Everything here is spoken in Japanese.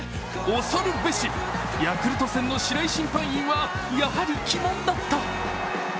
恐るべしヤクルト戦の白井審判員はやはり鬼門だった。